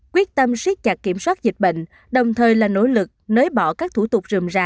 quyết tâm siết chặt kiểm soát dịch bệnh đồng thời là nỗ lực nới bỏ các thủ tục rượm rà